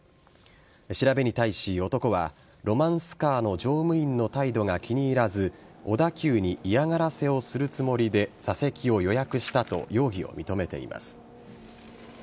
調べに対し、男はロマンスカーの乗務員の態度が気にいらず小田急に嫌がらせをするつもりで座席を予約したと容疑を認めています。